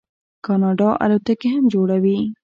کاناډا الوتکې هم جوړوي.